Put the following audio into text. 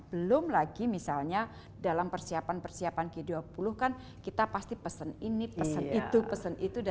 belum lagi misalnya dalam persiapan persiapan g dua puluh kan kita pasti pesen ini pesen itu pesan itu